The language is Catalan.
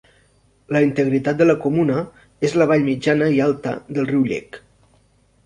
La integritat de la comuna és la vall mitjana i alta del riu Llec.